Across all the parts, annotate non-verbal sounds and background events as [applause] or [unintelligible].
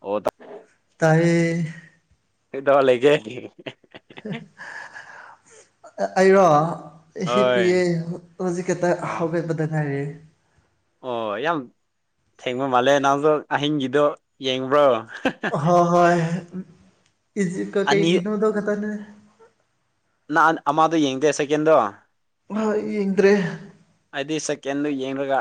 ꯑꯣ ꯇꯥꯏꯌꯦ ꯀꯩ ꯗꯧ ꯂꯩꯒꯦ ꯍꯝ ꯍꯝ ꯑꯩꯔꯣ ꯍꯤꯄꯤ ꯌꯦ ꯍꯣꯏ ꯍꯧꯖꯤꯛ ꯈꯛꯇꯥ ꯑꯣ ꯍꯧꯒꯠꯄꯗ ꯉꯥꯏꯔꯤ ꯑꯣ ꯌꯥꯝ ꯊꯦꯡꯕ ꯃꯥꯜꯂꯦ ꯅꯣꯁꯨ ꯑꯍꯤꯡꯒꯤꯗꯣ ꯌꯦꯡꯕ꯭ꯔꯣ ꯍꯥ ꯍꯣꯏ ꯍꯣꯏ ꯏꯖꯤꯞꯀ ꯀꯩ ꯑꯅꯤ ꯒꯤꯅꯣꯗꯣ ꯈꯛꯇꯅꯦ ꯑꯥ ꯑꯃꯗꯣ ꯌꯦꯡꯗꯦ ꯁꯦꯀꯦꯟꯗꯣ ꯑꯥ ꯍꯣꯏ ꯌꯦꯡꯗ꯭ꯔꯦ ꯑꯩꯗꯤ ꯁꯦꯀꯦꯟꯗꯨ ꯌꯦꯡꯂꯒ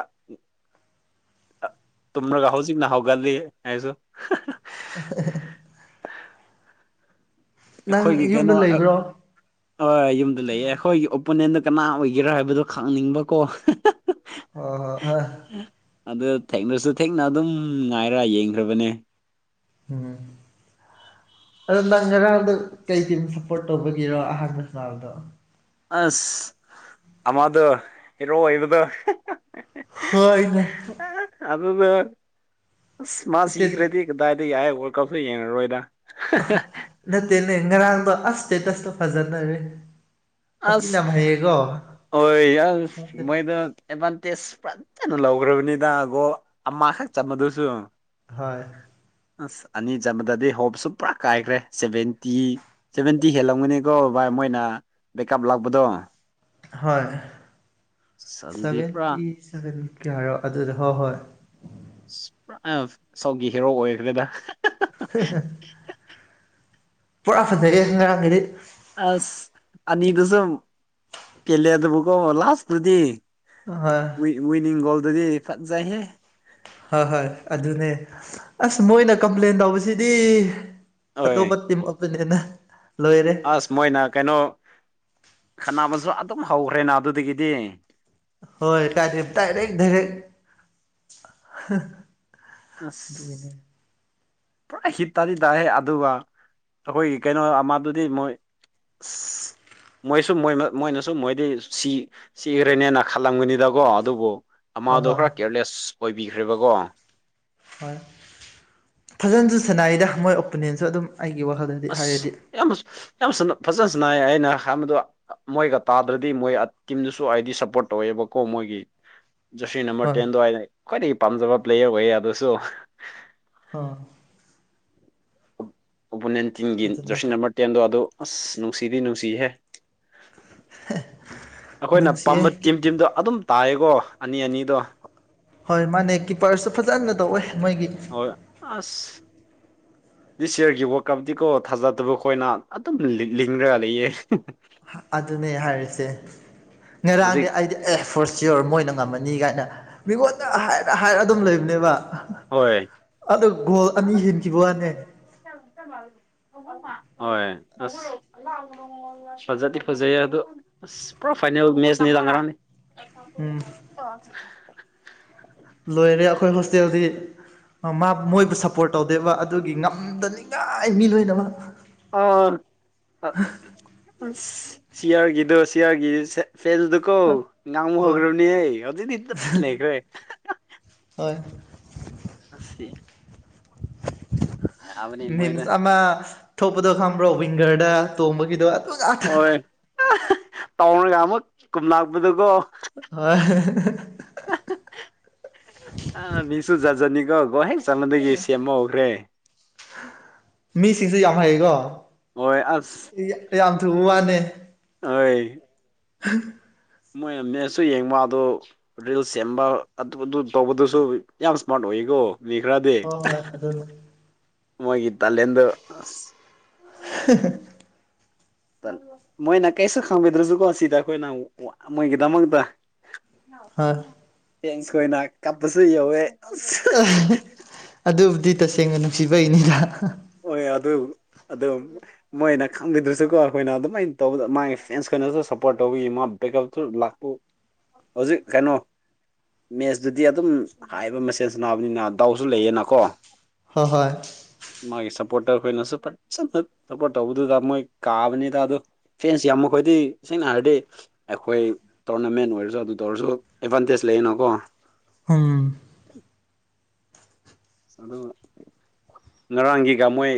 ꯇꯨꯃ꯭ꯔꯒ ꯍꯧꯖꯤꯛꯅ ꯍꯒꯜꯂꯤ ꯑꯩꯁꯨ ꯍꯥ ꯍꯥ [inaudible] ꯅꯪ ꯑꯩꯈꯣꯏꯒꯤ ꯌꯨꯝꯗ ꯀꯩꯅꯣ ꯑꯥ ꯂꯩꯕ꯭ꯔꯣ ꯍꯣꯏ ꯌꯨꯝꯗ ꯂꯩꯌꯦ ꯑꯩꯈꯣꯏꯒꯤ ꯅꯣꯏ ꯀꯅꯥ ꯑꯣꯏꯒꯦꯔꯥ ꯍꯥꯏꯕꯗꯣ ꯈꯪꯅꯤꯡꯕꯀꯣ ꯍꯥ ꯍꯥ ꯑꯥ ꯍꯣꯏ ꯍꯣꯏ ꯍꯥ ꯑꯗꯨ ꯊꯦꯡꯂꯁꯨ ꯊꯦꯡꯅ ꯑꯗꯨꯝ ꯉꯥꯏꯔ ꯌꯦꯡꯈ꯭ꯔꯕꯅꯦ ꯎꯝ ꯑꯗꯣ ꯅꯪ ꯉꯔꯥꯡꯗꯣ ꯀꯩ ꯇꯤꯝ ꯁꯞꯄꯣꯔꯠ ꯇꯧꯕꯒꯤꯔꯣ ꯑꯍꯥꯡꯥꯟꯕ ꯁꯥꯅꯥꯕꯗꯣ ꯑꯁ ꯑꯃꯗꯣ ꯍꯦꯔꯣ ꯑꯣꯏꯕꯗꯣ ꯍꯣꯏꯅꯦ ꯑꯗꯨꯗꯣ ꯑꯁ ꯃꯥ ꯏꯁꯇꯦꯠ ꯁꯤꯈ꯭ꯔꯗꯤ ꯀꯗꯥꯏꯗꯒꯤ ꯑꯩ ꯋꯥꯔꯗ ꯀꯞꯀꯥ ꯌꯦꯡꯉꯔꯣꯏꯗ ꯑꯍꯣ ꯅꯠꯇꯅꯦ ꯉꯔꯥꯡꯗꯣ ꯑꯁ ꯁꯇꯦꯇꯁꯇꯣ ꯐꯖꯅ ꯔꯦ ꯑꯁ ꯍꯣꯏ ꯑꯁ ꯃꯣꯏꯗꯣ ꯑꯦꯗꯚꯥꯟꯇꯦꯖ ꯐꯖꯅ ꯂꯧꯈ꯭ꯔꯕꯅꯤꯗ ꯒꯣꯜ ꯑꯃꯈꯛ ꯆꯕꯗꯨꯁꯨ ꯍꯣꯏ ꯑꯁ ꯑꯅꯤ ꯆꯟꯕꯗꯗꯤ ꯍꯣꯞꯁꯨ ꯄꯨꯔꯥ ꯀꯥꯏꯈ꯭ꯔꯦ ꯁꯚꯦꯟꯇꯤ ꯁꯚꯦꯟꯇꯤ ꯍꯦꯜꯂꯝꯒꯅꯤꯀꯣ ꯚꯥꯏ ꯃꯣꯏꯅ ꯕꯦꯀꯑꯞ ꯂꯥꯛꯄꯗꯣ ꯍꯣꯏ ꯑꯁ ꯑꯗꯨꯗꯤ ꯄꯨꯔꯥ ꯁꯚꯦꯟꯇꯤ ꯁꯚꯦꯟ ꯀꯌꯔ ꯑꯗꯨꯗ ꯍꯣꯏ ꯍꯣꯏ ꯑ ꯁ‌‌‌ꯝꯒꯤ ꯍꯦꯔꯣ ꯑꯣꯏꯈ꯭ꯔꯦꯗ [inaudible] ꯄꯨꯔꯥ ꯐꯖꯔꯦ ꯉꯔꯥꯡꯒꯤꯗꯤ ꯑꯁ ꯑꯅꯤ ꯑꯗꯨꯁꯨ ꯀꯦꯂꯦ ꯑꯗꯨꯕꯨꯀꯣ ꯂꯥꯁꯇꯨꯗꯤ ꯍꯣꯏ ꯋꯤꯅꯤꯡ ꯒꯣꯜꯗꯨꯗꯤ ꯐꯖꯩꯍꯦ ꯍꯣꯏ ꯍꯣꯏ ꯑꯗꯨꯅꯦ ꯑꯁ ꯃꯣꯏꯅ ꯀꯝꯄ꯭ꯂꯦꯟ ꯇꯧꯕꯁꯤꯗꯤ ꯍꯣꯏ ꯑꯇꯣꯞꯄ ꯇꯤꯝꯅꯤꯅ ꯑꯁ ꯃꯣꯏꯅ ꯀꯩꯅꯣ ꯈꯟꯅꯕꯁꯨ ꯑꯗꯨꯝ ꯍꯧꯈ꯭ꯔꯦꯅ ꯑꯗꯨꯗꯒꯤꯗꯤ ꯍꯣꯏ ꯗꯥꯢꯔꯦꯛ ꯗꯥꯏꯔꯦꯛ ꯗꯥꯏꯔꯦꯛ ꯑꯁ ꯗꯨꯒꯤꯅꯦ ꯄꯨꯔꯥ ꯍꯤꯠ ꯇꯥꯗꯤ ꯇꯥꯏꯍꯦ ꯑꯗꯨꯒ ꯑꯩꯈꯣꯏꯒꯤ ꯀꯩꯅꯣ ꯑꯃꯗꯨꯗꯤ ꯃꯣꯏ [unintelligible] ꯃꯣꯏꯁꯨ ꯃꯣꯏꯅꯁꯨ ꯃꯣꯏꯗꯤ ꯁꯤꯈ꯭ꯔꯦꯅꯦꯅ ꯈꯜꯂꯝꯒꯅꯤꯗꯀꯣ ꯑꯗꯨꯕꯨ ꯍꯣꯏ ꯑꯃꯥꯗꯣ ꯈꯔ ꯍꯣꯏ ꯀꯦꯌꯔꯂꯦꯁ ꯑꯣꯏꯕꯤꯈ꯭ꯔꯦꯕꯀꯣ ꯍꯣꯏ ꯐꯖꯅꯁꯨ ꯁꯥꯟꯅꯏꯗ ꯃꯣꯏ ꯑꯣꯄꯣꯅꯦꯟꯁꯨ ꯑꯗꯨꯝ ꯑꯩꯒꯤ ꯋꯥꯈꯜꯗꯗꯤ ꯑꯁ ꯍꯥꯏꯔꯗꯤ ꯌꯥꯝꯃ ꯌꯥꯝꯃ ꯁꯟꯅ ꯐꯖꯅꯥꯏ ꯑꯩꯅ ꯍꯥꯏꯕꯗ ꯃꯣꯏꯒ ꯇꯥꯗ꯭ꯔꯗꯤ ꯃꯣꯏ ꯇꯤꯝꯗꯨꯁꯨ ꯍꯥꯏꯗꯤ ꯁꯞꯄꯣꯔꯠ ꯇꯧꯋꯦꯕꯀꯣ ꯃꯣꯏ ꯑꯩꯒꯤ ꯖꯔꯁꯤ ꯅꯝꯕꯔ ꯍꯣꯏ ꯇꯦꯟꯗꯣ ꯑꯩꯅ ꯈ꯭ꯋꯥꯏꯗꯒꯤ ꯄꯥꯝꯖꯕ ꯄ꯭ꯂꯦꯌꯔ ꯑꯣꯏꯌꯦ ꯑꯗꯨꯁꯨ ꯍꯥꯍꯥ ꯑꯣꯄꯣꯅꯟꯇꯤꯟꯒꯤ ꯑꯗꯨꯅꯦ ꯖꯔꯁꯤ ꯅꯝꯕꯔ ꯇꯦꯟꯗꯣ ꯑꯗꯣ ꯑꯁ ꯅꯨꯡꯁꯤꯗꯤ ꯅꯨꯡꯁꯤꯍꯦ ꯑꯩꯈꯣꯏꯅ ꯅꯨꯡꯁꯤꯌꯦ ꯄꯥꯝꯕ ꯇꯤꯝ ꯇꯤꯝꯗꯣ ꯑꯗꯨꯝ ꯇꯥꯏꯌꯦꯀꯣ ꯑꯅꯤ ꯑꯅꯤꯗꯣ ꯍꯣꯏ ꯃꯥꯅꯦ ꯀꯤꯄꯔꯁꯨ ꯐꯖꯅ ꯇꯧꯋꯦ ꯃꯣꯏꯒꯤ ꯍꯣꯏ ꯑꯁ ꯗꯤꯁ ꯏꯌꯥꯔꯒꯤ ꯋꯔ ꯀꯞꯇꯗꯤꯀꯣ ꯊꯥꯖꯗꯕ ꯑꯩꯈꯣꯏꯅ ꯑꯗꯨꯝ ꯂꯤꯡ ꯂꯤꯡꯔꯒ ꯂꯩꯌꯦ ꯑꯗꯨꯅꯦ ꯍꯥꯏꯔꯤꯁꯦ ꯉꯔꯥꯡꯗꯤ ꯍꯧꯖꯤꯛ ꯑꯩꯗꯤ ꯑꯦ ꯐꯣꯔ ꯁꯤꯌꯣꯔ ꯃꯣꯏꯅ ꯉꯝꯃꯅꯤ ꯀꯥꯏꯅ ꯃꯤꯉꯣꯟꯗ ꯍꯥꯏꯔ ꯍꯥꯏꯔ ꯑꯗꯨꯝ ꯂꯩꯕꯅꯦꯕ ꯍꯣꯏ ꯑꯗꯨꯗ ꯒꯣꯜ ꯑꯅꯤ ꯍꯦꯟꯈꯤꯕꯈꯤꯕ ꯋꯥꯅꯦ ꯍꯣꯏ ꯑꯁ ꯐꯖꯗꯤ ꯐꯖꯩꯌꯦ ꯑꯗꯨ ꯑꯁ ꯄꯨꯔꯥ ꯐꯥꯏꯅꯦꯜ ꯃꯦꯠꯁꯅꯦꯗ ꯉꯔꯥꯡꯗꯤ ꯎꯝ [unintelligible] ꯂꯣꯏꯔꯦ ꯑꯩꯈꯣꯏ ꯍꯣꯁꯇꯦꯜꯗꯤ ꯃꯣꯏꯕꯨ ꯁꯞꯄꯣꯔꯠ ꯇꯧꯗꯦꯕ ꯑꯗꯨꯒꯤ ꯉꯝꯗꯅꯤꯉꯥꯏ ꯃꯤ ꯂꯣꯏꯅꯃꯛ ꯑꯣ ꯁꯤꯌꯥꯔꯒꯤꯗ ꯁꯤꯌꯥꯒꯤ ꯐꯦꯁꯗꯨꯀꯣ ꯉꯥꯡꯃꯨ ꯍꯣꯏ ꯍꯧꯔꯕꯅꯤ ꯍꯦ ꯍꯧꯖꯤꯗꯇꯤ ꯇꯨꯃꯤꯟ ꯂꯩꯈ꯭ꯔꯦ꯫ [unintelligible] ꯑꯁꯤ ꯃꯣꯏꯗ ꯃꯤꯟꯁ ꯑꯃ ꯊꯣꯛꯄꯗꯣ ꯈꯪꯕ꯭ꯔꯣ ꯋꯤꯡꯒꯔꯗ ꯇꯣꯡꯕꯒꯤꯗꯣ ꯉꯥꯛꯇ ꯍꯣꯏ ꯇꯥꯎꯅꯒ ꯑꯃꯨꯛ ꯀꯨꯝꯂꯛꯄꯗꯨꯀꯣ ꯍꯣꯏ ꯑꯥ ꯍꯤ ꯍꯤ ꯑꯥ ꯃꯤꯁꯨ ꯖꯠ ꯖꯠꯅꯤ ꯀꯣ ꯒꯣꯜ ꯍꯦꯛ ꯆꯟꯕꯗꯒꯤ ꯁꯦꯝꯕ ꯍꯧꯈ꯭ꯔꯦ ꯃꯤ ꯁꯤꯁꯦ ꯌꯥꯝ ꯍꯥꯏꯌꯦꯀꯣ ꯍꯣꯏ ꯑꯁ ꯇꯨ ꯋꯥꯅꯦ ꯍꯣꯏ [unintelligible] ꯃꯣꯏꯅ ꯃꯦꯁꯁꯨ ꯌꯦꯡꯕ ꯑꯗꯣ ꯔꯤꯜꯁ ꯁꯦꯝꯕ ꯑꯗꯨ ꯑꯗꯨ ꯇꯧꯕꯗꯨꯁꯨ ꯌꯥꯝ ꯏꯁꯃꯥꯔꯠ ꯑꯣꯏꯌꯦꯀꯣ ꯃꯤ ꯈꯔꯗꯤ ꯍꯣꯏ ꯍꯣꯏ ꯑꯗꯨꯅꯦ ꯃꯣꯏꯒꯤ ꯇꯂꯦꯟꯗꯨ ꯑꯁ [unintelligible] ꯃꯣꯏꯅ ꯀꯩꯁꯨ ꯈꯪꯕꯤꯗ꯭ꯔꯁꯨꯀꯣ ꯁꯤꯗ ꯑꯩꯈꯣꯏꯅ ꯃꯣꯏꯒꯤꯗꯃꯛꯇ ꯍꯣꯏ ꯆꯦꯟꯁ ꯀꯟꯥ ꯀꯞꯄꯁꯨ ꯌꯧꯋꯦ ꯑꯗꯨꯕꯨꯗꯤ ꯇꯁꯦꯡꯅ ꯅꯨꯡꯁꯤꯕꯩꯅꯤꯗ ꯍꯣꯏ ꯑꯗꯨ ꯑꯗꯨ ꯃꯣꯏꯅ ꯈꯪꯕꯤꯗ꯭ꯔꯁꯨꯀꯣ ꯑꯩꯈꯣꯏꯅ ꯑꯗꯨꯃꯥꯏꯅ ꯇꯧꯕꯗ ꯃꯥꯒꯤ ꯐ꯭ꯔꯦꯟꯁ ꯈꯩꯅꯁꯨ ꯁꯞꯄꯣꯔꯠ ꯇꯧꯕꯤ [unintelligible] ꯍꯧꯖꯤꯛ ꯀꯩꯅꯣ ꯃꯦꯠꯁꯇꯨꯗꯤ ꯑꯗꯨꯝ ꯍꯥꯏꯕ ꯃꯁꯦꯟ ꯁꯅꯥꯕꯅꯤꯅ ꯗꯥꯎꯁꯨ ꯂꯩꯌꯦꯅꯀꯣ ꯍꯣꯏꯍꯣꯏ ꯃꯥꯒꯤ ꯁꯞꯄꯣꯔꯇꯔ ꯑꯩꯈꯣꯏꯅꯁꯨ ꯐꯖꯅ ꯁꯞꯄꯣꯔꯠ ꯇꯧꯕꯗꯨꯗ ꯃꯣꯏ ꯀꯥꯕꯅꯤꯗ ꯑꯗꯣ ꯐꯦꯟꯁ ꯌꯥꯝ ꯃꯈꯣꯏ ꯍꯥꯏꯗꯤ ꯁꯦꯡꯅ ꯍꯥꯏꯔꯗꯤ ꯑꯩꯈꯣꯏ ꯇꯣꯔꯅꯥꯃꯦꯟ ꯑꯣꯏꯔꯁꯨ ꯑꯗꯨ ꯇꯧꯔꯁꯨ ꯑꯦꯗꯚꯥꯟꯇꯦꯖ ꯂꯩꯌꯦꯅꯀꯣ ꯎꯝ ꯑꯥ ꯉꯔꯥꯡꯒꯤꯒ ꯃꯣꯏ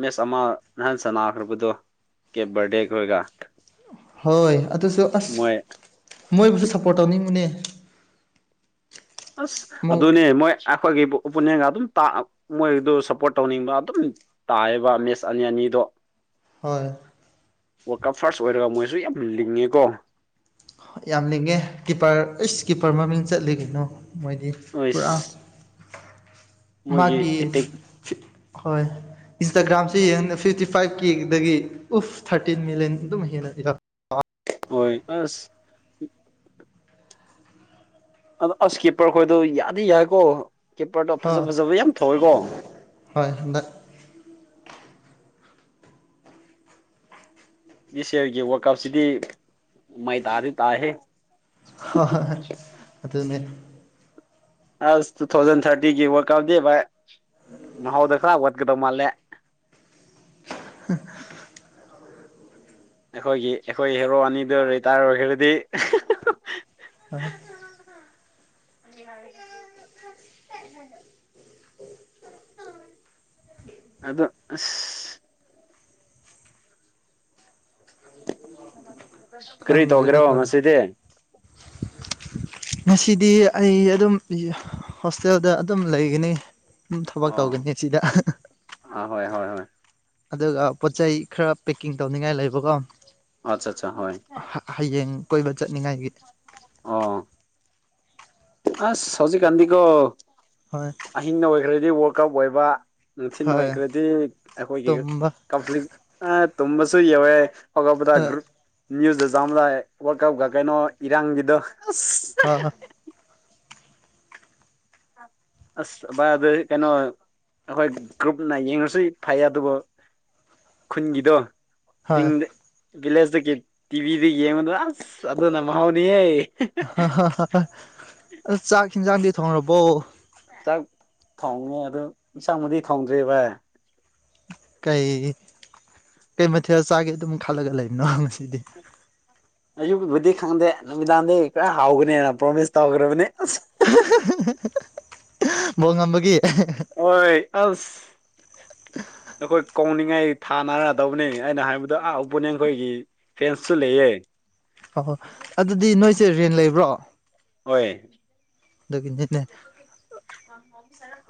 ꯃꯦꯁ ꯑꯃ ꯅꯍꯥꯟ ꯁꯥꯟꯅꯥꯈ꯭ꯔꯕꯗꯣ ꯀꯦꯞ ꯕꯥꯔꯗꯦ ꯈꯣꯏꯒ ꯍꯣꯏ ꯑꯗꯨꯁꯨ ꯑꯁ ꯃꯣꯏ ꯃꯣꯏꯕꯨꯁꯨ ꯁꯞꯄꯣꯔꯠ ꯇꯧꯅꯤꯡꯕꯅꯦ ꯑꯁ ꯑꯃꯨꯛ ꯑꯗꯨꯅꯦ ꯃꯣꯏ ꯑꯩꯈꯣꯏꯒꯤ ꯑꯣꯄꯣꯅꯦꯟꯒ ꯑꯗꯨꯝ ꯃꯣꯏꯗꯨ ꯁꯞꯄꯣꯔꯠ ꯇꯧꯅꯤꯡꯕ ꯑꯗꯨꯝ ꯇꯥꯏꯌꯦꯕ ꯃꯦꯠꯁ ꯑꯅꯤ ꯑꯅꯤ ꯑꯣ ꯍꯣꯏ ꯋꯥꯔꯜ ꯀꯞ ꯐꯥꯔꯁ ꯑꯣꯏꯔꯒ ꯃꯣꯏꯁꯨ ꯌꯥꯝ ꯂꯤꯡꯉꯦꯀꯣ ꯌꯥꯝꯂꯤꯡꯉꯦ ꯀꯤꯞꯄꯔ ꯑꯩꯁ ꯀꯤꯞꯄꯔ ꯃꯃꯤꯡ ꯆꯠꯂꯤ ꯀꯩꯅꯣ ꯃꯣꯏꯗꯤ ꯑꯁ ꯄꯨꯔꯥ ꯃꯣꯏꯒꯤ ꯃꯥꯒꯤ ꯑꯦꯇꯦꯛ ꯄꯤꯠ ꯍꯣꯏ ꯏꯟꯁꯇꯥꯒ꯭ꯔꯥꯝꯁꯦ ꯌꯦꯡꯕꯗꯥ ꯐꯤꯐꯇꯤ ꯐꯥꯏꯚ ꯀꯦꯗꯒꯤ ꯎꯐ ꯊꯥꯔꯇꯤꯟ ꯃꯤꯂꯤꯌꯟ ꯑꯗꯨꯝ ꯍꯦꯟꯅ ꯍꯣꯏ ꯑꯁ ꯑꯥ ꯎꯁ ꯀꯤꯞꯄꯔ ꯈꯣꯏꯗꯣ ꯌꯥꯗꯤ ꯌꯥꯏꯀꯣ ꯀꯤꯞꯄꯔꯗꯣ ꯍ ꯐꯖ ꯐꯖꯕ ꯌꯥꯝ ꯊꯧꯋꯦꯀꯣ ꯍꯣꯏ ꯍꯟꯗꯛ ꯗꯤꯁ ꯌꯤꯔꯒꯤ ꯋꯥꯔꯜ ꯀꯞꯁꯤꯗꯤ ꯃꯩ ꯇꯥꯗꯤ ꯇꯥꯍꯦ ꯍꯣꯏ ꯍꯣꯏ ꯑꯗꯨꯅꯦ ꯑꯁ ꯇꯨ ꯊꯥꯎꯖꯟ ꯊꯔꯇꯤꯒꯤ ꯋꯥꯜꯗ ꯛꯞꯇꯤ ꯎꯗ ꯚꯥꯏ ꯃꯍꯎꯗ ꯈꯔꯥ ꯋꯥꯠ ꯀꯗꯧ ꯃꯥꯜꯂꯦ [inaudible] ꯑꯩꯈꯣꯏꯒꯤ ꯑꯩꯈꯣꯏ ꯍꯦꯔꯣ ꯑꯅꯤꯗꯨ ꯔꯤꯇꯥꯌꯔ ꯑꯣꯏꯈ꯭ꯔꯒꯗꯤ ꯍꯣꯏ [inaudible] [unintelligible] ꯑꯗꯨ ꯑꯁ ꯀꯔꯤ ꯇꯧꯒꯦꯔꯣ ꯈꯪꯗ꯭ꯔꯦꯗ ꯇꯧꯔꯤꯁꯦ ꯉꯁꯤꯗꯤ ꯉꯁꯤꯗꯤ ꯑꯩ ꯑꯗꯨꯝ ꯍꯣꯁꯇꯦꯜꯗ ꯑꯗꯨꯝ ꯂꯩꯒꯅꯤ ꯎꯝ ꯊꯕꯛ ꯑꯣ ꯇꯧꯒꯅꯤ ꯑꯁꯤꯗ [unintelligible] ꯑꯥ ꯍꯣꯏ ꯍꯣꯏ ꯍꯣꯏ ꯑꯗꯨꯒ ꯄꯣꯠ ꯆꯩꯩ ꯈꯔ ꯄꯦꯛꯀꯤꯡ ꯇꯧꯅꯤꯡꯉꯥꯏ ꯂꯩꯕꯀꯣ ꯑꯆꯥ ꯑꯠꯆꯥ ꯍꯣꯏ ꯀꯣꯏ ꯆꯠꯅꯤꯡꯉꯥꯏꯒꯤ ꯑꯣ ꯑꯁ ꯍꯧꯖꯤꯛꯀꯥꯟꯗꯤꯀꯣ ꯍꯣꯏ ꯑꯍꯤꯡ ꯑꯣꯏꯈ꯭ꯔꯗꯤ ꯋꯥꯔꯜ ꯀꯞ ꯑꯣꯏꯕ ꯅꯨꯡꯊꯤꯟ ꯍꯣꯏ ꯑꯣꯢꯈ꯭ꯔꯗꯤ ꯑꯩꯈꯣꯏꯒꯤ ꯇꯨꯝꯕ ꯀꯐ꯭ꯂꯤꯛ ꯑꯥ ꯇꯨꯝꯕꯁꯨ ꯌꯧꯋꯦ ꯍꯧꯒꯄꯗ ꯑ ꯒ꯭ꯔꯨꯞ ꯅ꯭ꯌꯨꯁꯇ ꯆꯥꯝꯃꯗꯥ ꯋꯥꯔꯜ ꯀꯞꯒ ꯀꯩꯅꯣ ꯏꯔꯥꯡꯒꯤꯗꯣ ꯑꯁ ꯑꯍꯥ ꯑꯁ ꯚꯥꯢ ꯑꯗꯨꯢ ꯀꯩꯅꯣ ꯑꯈꯣꯏ ꯒ꯭ꯔꯨꯞꯅ ꯌꯦꯡꯉꯁꯨ ꯐꯩ ꯑꯗꯨꯕꯨ ꯈꯨꯟꯒꯤꯗꯣ ꯍꯣꯏ ꯆꯤꯡꯗ ꯚꯤꯂꯦꯖꯇ ꯇꯤꯚꯤꯗꯨ ꯌꯦꯡꯕꯗꯨ ꯑꯁ ꯑꯗꯨꯅ ꯃꯍꯥꯎꯅꯤꯍꯦ [unintelligible] ꯑꯗꯨ ꯆꯥꯛ ꯍꯤꯟꯖꯥꯡꯗꯤ ꯊꯣꯡꯔꯕꯣ ꯆꯥꯛ ꯊꯣꯡꯉꯦ ꯑꯗꯨ ꯌꯦꯟꯁꯥꯡꯕꯨꯗꯤ ꯊꯣꯡꯗ꯭ꯔꯤ ꯚꯥꯏ ꯀꯩ ꯀꯩ ꯃꯊꯦꯜ ꯆꯥꯒꯦ ꯑꯗꯨꯝ ꯈꯜꯂꯒ ꯂꯩꯕꯅꯣ ꯅꯡꯁꯦ ꯁꯤꯗꯤ ꯑꯌꯨꯛꯀꯤꯕꯨꯗꯤ ꯈꯪꯗꯦ ꯅꯨꯃꯤꯗꯥꯡꯗꯒꯤ ꯈꯔ ꯍꯥꯎꯒꯅꯤꯅ ꯄ꯭ꯔꯣꯃꯤꯁ ꯇꯧꯈ꯭ꯔꯕꯅꯦ ꯑꯁ [unintelligible] ꯕꯣꯜ ꯉꯝꯕꯒꯤ ꯑꯣꯏ ꯑꯁ ꯑꯈꯣꯏ ꯀꯧꯅꯤꯡ ꯉꯩ ꯊꯥꯅꯔ ꯇꯧꯕꯅꯤ ꯑꯩꯅ ꯍꯥꯏꯕꯗꯣ ꯑꯥ ꯑꯣꯄꯣꯅꯦꯟ ꯈꯣꯏꯒꯤ ꯐꯦꯟꯁꯨ ꯂꯩꯌꯦ ꯍ ꯍꯣꯏ ꯑꯗꯨꯗꯤ ꯅꯣꯏꯁꯦ ꯔꯦꯟ ꯂꯩꯕ꯭ꯔꯣ ꯑꯗꯨꯒꯤꯅꯤꯅꯦ ꯍꯣꯏ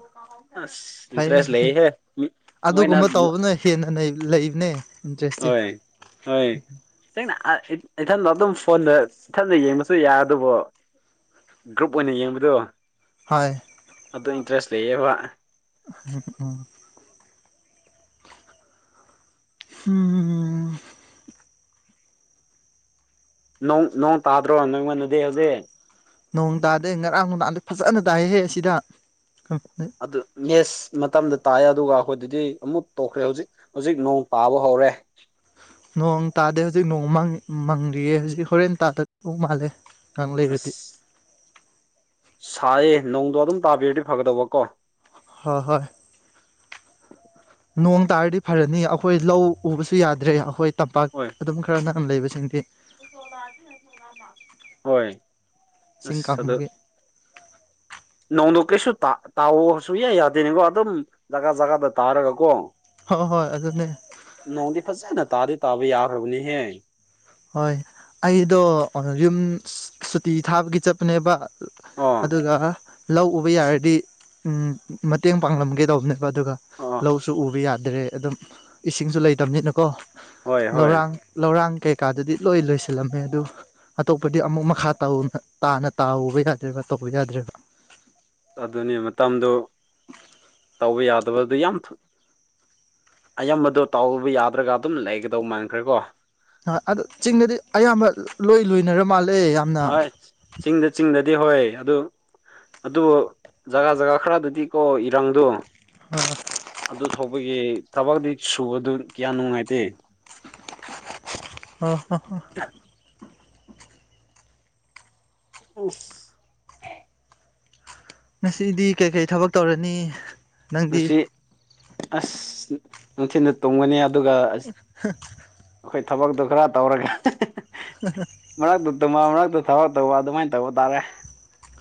ꯑꯁ ꯐꯩꯌꯦ ꯏꯟꯇꯔꯦꯁ ꯐꯩꯌꯦ ꯂꯩꯍꯦ ꯃꯣꯏꯅ ꯑꯗꯨꯒꯨꯝꯕ ꯇꯧꯕꯅ ꯍꯦꯟꯅ ꯂꯩꯕꯅꯦ ꯏꯟꯇꯔꯦꯁꯇꯤ ꯍꯣꯏ ꯍꯣꯏ ꯅꯪꯅ [unintelligible] ꯏꯊꯟꯗ ꯑꯗꯨꯝ ꯐꯣꯟꯗ ꯏꯊꯟꯗ ꯌꯦꯡꯕꯁꯨ ꯌꯥꯔꯗꯨꯕꯨ ꯒ꯭ꯔꯨꯞ ꯑꯣꯏꯅ ꯌꯦꯡꯕꯗꯨ ꯍꯣꯏ ꯑꯗꯨ ꯏꯟꯇꯔꯦꯁ ꯂꯩꯌꯦꯕ [unintelligible] ꯍꯨꯝ ꯅꯣꯡ ꯅꯣꯡ ꯇꯥꯗ꯭ꯔꯣ ꯅꯣꯢꯉꯣꯟꯗꯗꯤ ꯍꯧꯖꯤꯛ ꯅꯣꯡ ꯇꯥꯗꯦ ꯉꯔꯥꯡ ꯅꯨꯡꯗꯥꯡꯗꯤ ꯐꯖꯅ ꯇꯥꯏꯍꯦ ꯑꯁꯤꯗ ꯑꯗꯨ ꯃꯦꯁ ꯃꯇꯝꯗ ꯇꯥꯏ ꯑꯗꯨꯒ ꯑꯩꯈꯣꯏꯗꯗꯤ ꯑꯃꯨꯛ ꯇꯣꯛꯈ꯭ꯔꯦ ꯍꯧꯖꯤꯛ ꯍꯧꯖꯤꯛ ꯅꯣꯡ ꯇꯥꯕ ꯍꯧꯔꯦ ꯅꯣꯡ ꯇꯥꯗꯦ ꯍꯧꯖꯤꯛ ꯅꯣꯡ ꯃꯪ ꯃꯪꯂꯤꯌꯦ ꯍꯧꯖꯤꯛ ꯍꯣꯔꯦꯟ ꯇꯥꯗꯔꯛꯇꯧ ꯃꯥꯜꯂꯦ ꯀꯥꯡ ꯑꯁ ꯂꯩꯔꯗꯤ ꯁꯥꯏꯌꯦ ꯅꯣꯡꯗꯣ ꯑꯗꯨꯝ ꯇꯥꯕꯤꯔꯗꯤ ꯐꯒꯗꯧꯕ ꯀꯣ ꯍꯣꯏ ꯍꯣꯏ [unintelligible] ꯅꯣꯡ ꯇꯥꯔꯗꯤ ꯐꯔꯅꯤ ꯑꯩꯈꯣꯏ ꯂꯧ ꯎꯕꯁꯨ ꯌꯥꯗ꯭ꯔꯦ ꯑꯈꯣꯏ ꯇꯝꯄꯥꯛ ꯍꯣꯏ ꯑꯗꯨꯝ ꯈꯔ ꯅꯥꯟꯅ ꯂꯩꯕꯁꯤꯡꯗꯤ ꯍꯣꯏ ꯁꯤꯡ ꯑꯁ ꯑꯗꯨ ꯀꯥꯝꯕꯒꯤ ꯅꯣꯡꯗꯣ ꯀꯩꯁꯨ ꯇ ꯇꯥꯑꯣ ꯁꯨꯀꯌꯥ ꯌꯥꯗꯦꯅꯦꯀꯣ ꯑꯗꯨꯝ ꯖꯒꯥ ꯖꯒꯥꯗ ꯇꯥꯔꯒ ꯀꯣ ꯍꯣ ꯍꯣꯏ ꯑꯗꯨꯅꯦ ꯇꯗꯤ ꯇꯥꯕ ꯌꯥꯔꯕꯅꯦꯍꯦ ꯍꯣꯏ ꯑꯩꯗꯣ ꯌꯨꯝ ꯁꯨꯇꯤ ꯊꯥꯕꯒꯤ ꯆꯠꯄꯅꯦꯕ ꯑꯣ ꯑꯗꯨꯒ ꯂꯧ ꯎꯕ ꯌꯥꯔꯗꯤ ꯎꯝ ꯃꯇꯦꯡ ꯄꯥꯡꯂꯝꯒꯦ ꯇꯧꯕꯅꯦ ꯑꯗꯨꯒ ꯑꯣ ꯂꯧꯁꯨ ꯎꯕ ꯌꯥꯗ꯭ꯔꯦ ꯑꯗꯨꯝ ꯏꯁꯤꯡꯁꯨ ꯂꯩꯇꯕꯅꯤꯅꯀꯣ ꯍꯣꯏ ꯍꯣꯏ ꯂꯧꯔꯥꯡ ꯂꯧꯔꯥꯡ ꯀꯩ ꯀꯥꯗꯨꯗꯤ ꯂꯣꯏ ꯂꯣꯏꯁꯤꯜꯂꯝꯃꯦ ꯑꯗꯨ ꯑꯇꯣꯞꯄꯗꯤ ꯑꯃꯨꯛ ꯃꯈꯥ ꯇꯧꯅ ꯇꯥꯅ ꯇꯥꯎꯕ ꯌꯥꯗ꯭ꯔꯦꯕ ꯎ ꯌꯥꯗ꯭ꯔꯦꯕ ꯑꯗꯨꯅꯤ ꯃꯇꯝꯗꯨ ꯇꯧꯕ ꯌꯥꯗꯕꯗꯨ ꯌꯥꯝ ꯑꯌꯥꯝꯕꯗꯣ ꯇꯧꯕ ꯌꯥꯗ꯭ꯔꯒ ꯑꯗꯨꯝ ꯂꯩꯒꯗꯧꯕ ꯃꯥꯟꯈ꯭ꯔꯦꯀꯣ ꯍꯥ ꯑꯗꯨ ꯆꯤꯡꯗꯗꯤ ꯑꯌꯥꯝꯕ ꯂꯣꯏ ꯂꯣꯏꯅꯔ ꯃꯥꯜꯂꯦ ꯌꯥꯝꯅ ꯍꯣꯏ ꯆꯤꯡꯗ ꯆꯤꯡꯗ ꯍꯣꯏ ꯑꯗꯨ ꯑꯗꯨꯕꯨ ꯖꯒꯥ ꯖꯒꯥ ꯈꯔꯗꯗꯤ ꯀꯣ ꯏꯔꯥꯡꯗꯨ ꯑꯗꯨ ꯊꯧꯕꯒꯤ ꯊꯕꯛꯇꯤ ꯁꯨꯕꯗꯨ ꯀꯌꯥ ꯅꯨꯡꯉꯥꯏꯇꯦ ꯑꯥ ꯍ ꯍ ꯑꯨꯁ ꯉꯁꯤꯗꯤ ꯀꯩꯀꯩ ꯊꯕꯛ ꯇꯧꯔꯅꯤ ꯅꯪꯗꯤ ꯉꯁꯤ ꯑꯁ ꯅꯨꯡꯊꯤꯟꯗ ꯇꯨꯝꯒꯅꯤ ꯑꯦ ꯍ [unintelligible] ꯊꯕꯛꯇꯨ ꯈꯔ ꯇꯧꯔꯒ ꯍꯥꯍꯥ [unintelligible] [unintelligible]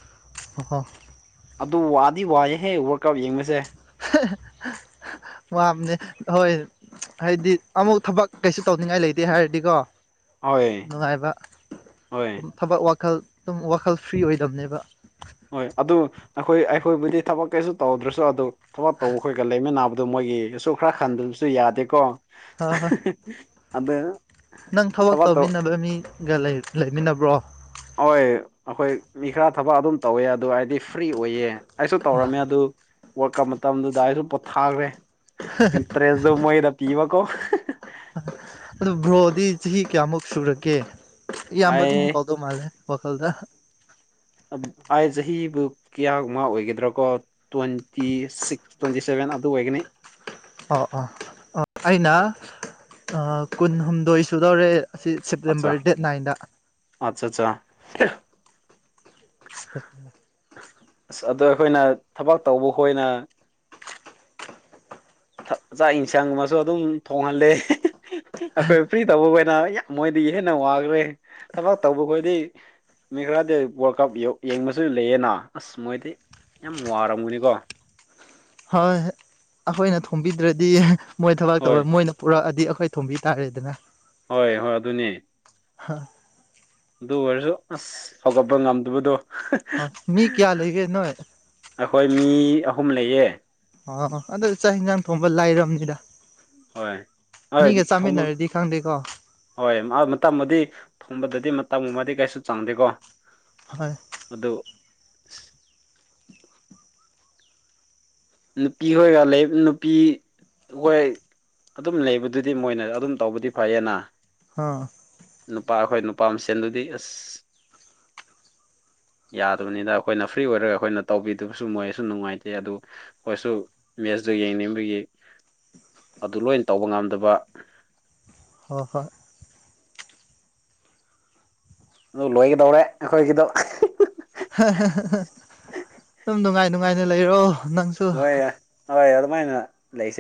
ꯑꯣꯍꯣ [unintelligible] ꯑꯗꯨ ꯋꯥꯗꯤ ꯋꯥꯏꯌꯦꯍꯦ ꯋꯥꯔꯜ ꯀꯞ ꯌꯦꯡꯕꯁꯦ ꯋꯥꯕꯅꯦ ꯍꯣꯏ ꯍꯥꯏꯗꯤ ꯑꯃꯨꯛ ꯊꯕꯛ ꯀꯩꯁꯨ ꯇꯧꯅꯤꯡꯉꯥꯏ ꯂꯩꯇꯦ ꯍꯥꯏꯔꯗꯤꯀꯣ ꯍꯣꯏ ꯅꯨꯡꯉꯥꯏꯕ ꯍꯣꯏ ꯑꯗꯨ ꯊꯕꯛ ꯋꯥꯈꯜ ꯑꯗꯨꯝ ꯋꯥꯈꯜ ꯐ꯭ꯔꯤ ꯑꯣꯏꯗꯕꯅꯦꯕ ꯍꯣꯏ ꯑꯗꯨ ꯑꯩꯈꯣꯏ ꯑꯩꯈꯣꯏꯕꯨꯗꯤ ꯊꯕꯛ ꯀꯩꯁꯨ ꯇꯧꯗ꯭ꯔꯁꯨ ꯑꯗꯨ ꯊꯕꯛ ꯇꯧꯕ ꯑꯩꯈꯣꯏꯒ ꯂꯩꯃꯤꯟꯅꯕ ꯑꯗꯨ ꯃꯣꯏꯒꯤ ꯑꯁꯨ ꯈꯔ ꯈꯟꯗꯕꯁꯨ ꯌꯥꯗꯦꯀꯣ ꯍꯣꯏ ꯍꯣꯏ ꯑꯗꯨ ꯅꯪ ꯊꯕꯛ ꯇꯧꯃꯤꯟꯅꯕ ꯃꯤꯒ ꯂꯩꯃꯤꯟꯅꯕ꯭ꯔꯣ ꯍꯣꯏ ꯑꯥꯈꯣꯏ ꯃꯤ ꯈꯔ ꯊꯕꯛ ꯑꯗꯨꯝ ꯇꯧꯋꯦ ꯑꯗꯣ ꯑꯩꯗꯤ ꯐ꯭ꯔꯤ ꯑꯣꯏꯌꯦ ꯑꯩꯁꯨ ꯇꯧꯔꯝꯃꯦ ꯑꯗꯨ ꯋꯥꯔꯜ ꯀꯞ ꯃꯇꯝꯗꯨꯗ ꯑꯩꯁꯨ ꯄꯣꯊꯥꯈ꯭ꯔꯦ ꯏꯟꯇ꯭ꯔꯦꯁꯗꯣ ꯃꯣꯏꯗ ꯄꯤꯕꯀꯣ ꯑꯗꯨ ꯕ꯭ꯔꯣꯗꯤ ꯆꯍꯤ ꯀꯌꯥꯃꯨꯛ ꯁꯨꯔꯒꯦ ꯏꯌꯥꯝꯕ ꯑꯗꯨꯝ ꯑꯩ ꯀꯧꯗꯧ ꯃꯥꯜꯂꯦ ꯋꯥꯈꯜꯗ ꯑꯩ ꯆꯍꯤꯕꯨ ꯀꯌꯥ ꯒꯨꯝꯕ ꯑꯣꯏꯒꯗ꯭ꯔꯥ ꯀꯣ ꯇ꯭ꯋꯦꯟꯇꯤ ꯁꯤꯛꯁ ꯇ꯭ꯋꯦꯟꯇꯤ ꯁꯚꯦꯟ ꯑꯗꯨ ꯑꯣꯏꯒꯅꯤ ꯑꯣ ꯑꯣ ꯑꯣ ꯑꯩꯅ ꯀꯨꯟꯍꯨꯝꯗꯣꯏ ꯁꯨꯗꯧꯔꯦ ꯑꯁꯤ ꯑꯠꯆꯥ ꯁꯦꯞꯇꯦꯝꯕꯔ ꯗꯦꯠ ꯅꯥꯏꯟꯗ ꯑꯠꯆꯥ ꯆꯥ [inaudible] ꯑꯁ ꯑꯗꯣ ꯑꯩꯈꯣꯏꯅ ꯊꯕꯛ ꯇꯧꯕ ꯈꯣꯏꯅ ꯆꯥꯛ ꯏꯟꯁꯥꯡ ꯑꯃꯁꯨ ꯑꯗꯨꯝ ꯊꯣꯡꯍꯜꯂꯦ ꯑꯩꯈꯣꯏ ꯐ꯭ꯔꯤ ꯇꯧꯕ ꯋꯦꯠ ꯅ ꯃꯣꯏꯗꯩ ꯍꯦꯟꯅ ꯋꯥꯒ꯭ꯔꯦ ꯊꯕꯛ ꯇꯧꯕ ꯈꯣꯏꯗꯤ ꯃꯤꯔꯗꯤ ꯋꯥꯔꯜ ꯀꯞ ꯌꯦꯡꯕꯁꯨ ꯂꯩꯌꯦꯅ ꯑꯁ ꯃꯣꯏꯗꯤ ꯌꯥꯝ ꯋꯥꯔꯝꯒꯅꯤꯀꯣ ꯍꯣꯏ ꯑꯩꯈꯣꯏꯅ ꯊꯣꯡꯕꯤꯗ꯭ꯔꯗꯤ ꯃꯣꯏ ꯊꯕꯛ ꯍꯣꯏ ꯇꯧꯕ ꯃꯣꯏꯅ ꯄꯨꯔꯛꯑꯗꯤ ꯊꯣꯡꯕꯤ ꯇꯥꯔꯦꯗꯅ ꯍꯣꯏ ꯍꯣꯏ ꯑꯗꯨꯅꯦ ꯍꯥ ꯑꯗꯨ ꯑꯣꯏꯔꯁꯨ ꯑꯁ ꯍꯧꯒꯠꯄ ꯉꯝꯗꯕꯗꯣ [unintelligible] ꯑꯣ ꯃꯤ ꯀꯌꯥ ꯂꯩꯒꯦ ꯅꯣꯏ ꯑꯩꯈꯣꯏ ꯃꯤ ꯑꯍꯨꯝ ꯂꯩꯌꯦ ꯑꯣ ꯑꯗꯨ ꯆꯥꯛ ꯍꯤꯟꯖꯥꯡ ꯊꯣꯡꯕ ꯂꯥꯏꯔꯝꯅꯤꯗ ꯍꯣꯏ ꯍꯣꯏ ꯊꯣꯡꯕ ꯈꯪꯗꯦꯀꯣ ꯍꯣꯏ ꯃ ꯃꯇꯝ ꯕꯨꯗꯤ ꯊꯣꯡꯕꯗꯗꯤ ꯃꯇꯝꯒꯨꯝꯕꯗꯤ ꯀꯩꯁꯨ ꯆꯡꯗꯦꯀꯣ ꯍꯣꯏ ꯑꯗꯨ ꯅꯨꯄꯤ ꯈꯣꯏꯒ ꯂꯩ ꯅꯨꯄꯤ ꯈꯣꯏ ꯑꯗꯨꯝ ꯂꯩꯕꯗꯨꯗꯤ ꯃꯣꯏꯅ ꯑꯗꯨꯝ ꯇꯧꯕꯗꯤ ꯐꯩꯌꯦꯅ ꯑ ꯅꯨꯄꯥ ꯑꯩꯈꯣꯏ ꯅꯨꯄꯥ ꯃꯁꯦꯟꯗꯨꯗꯤ ꯑꯁ ꯌꯥꯗꯕꯅꯤꯅ ꯑꯩꯈꯣꯏꯅ ꯐ꯭ꯔꯤ ꯑꯣꯏꯔꯒ ꯑꯩꯈꯣꯏꯅ ꯇꯧꯕꯤꯗꯕꯁꯨ ꯃꯣꯏꯁꯨ ꯅꯨꯡꯉꯥꯏꯇꯦ ꯑꯗꯨ ꯈꯣꯏꯁꯨ ꯃꯦꯁꯇꯨ ꯌꯦꯡꯅꯤꯡꯕꯒꯤ ꯑꯗꯨ ꯂꯣꯏꯅ ꯇꯧꯕ ꯉꯝꯗꯕ ꯍꯣ ꯍꯣꯏ ꯑꯗꯨ ꯂꯣꯏꯒꯗꯧꯔꯦ ꯑꯩꯈꯣꯏꯒꯤꯗꯣ [unintelligible] ꯍꯥꯍꯥ ꯍꯥ ꯍꯥ ꯑꯗꯨꯝ ꯅꯨꯡꯉꯥꯏ ꯅꯨꯡꯉꯥꯏꯅ ꯂꯩꯔꯣ ꯅꯪꯁꯨ ꯀꯃꯥꯏꯅ ꯂꯩꯁꯦ